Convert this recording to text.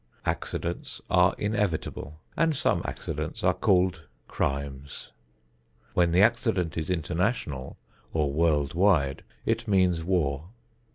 Accidents are inevitable, and some accidents are called "crimes." When the accident is international or world wide, it means war.